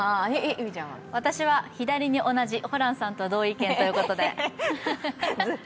私は、左に同じ、ホランさんと同意見ということで。